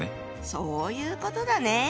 そういうことだね！